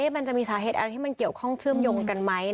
มันจะมีสาเหตุอะไรที่มันเกี่ยวข้องเชื่อมโยงกันไหม